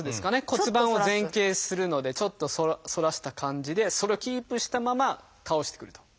骨盤を前傾するのでちょっと反らした感じでそれをキープしたまま倒してくると。